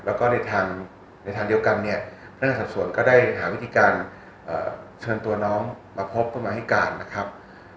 แล้วก็ในทางเดียวกันเนี่ยพนักงานสัดส่วนก็ได้หาวิธีการเชิญตัวน้องมาพบเพื่อมาให้การนะครับ